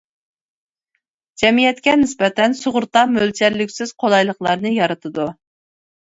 جەمئىيەتكە نىسبەتەن سۇغۇرتا مۆلچەرلىگۈسىز قولايلىقلارنى يارىتىدۇ.